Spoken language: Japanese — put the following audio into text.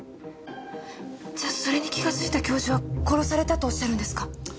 じゃそれに気がついた教授は殺されたとおっしゃるんですか？